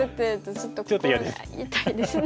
ちょっと嫌ですね。